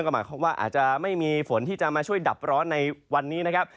ก็หมายความว่าอาจจะไม่มีฝนที่จะมาช่วยดับร้อนในวันนี้นะครับ